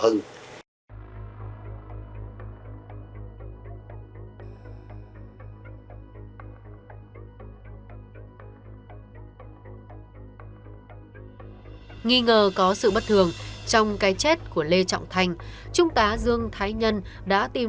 anh nghi ngờ có sự bất thường trong cái chết của lê trọng thành chúng ta dương thái nhân đã tìm